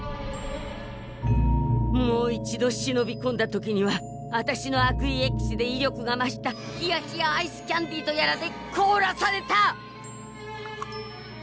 もう一度しのびこんだ時にはあたしの悪意エキスで威力が増した冷や冷やアイスキャンディとやらでこおらされた！